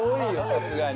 さすがに。